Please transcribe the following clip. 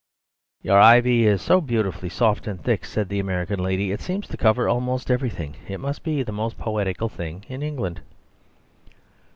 "Your ivy is so beautifully soft and thick," said the American lady, "it seems to cover almost everything. It must be the most poetical thing in England."